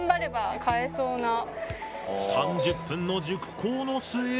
３０分の熟考の末。